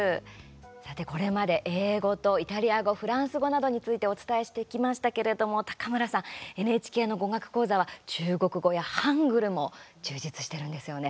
さて、これまで英語とイタリア語フランス語などについてお伝えしてきましたけれども高村さん、ＮＨＫの語学講座は中国語やハングルも充実してるんですよね。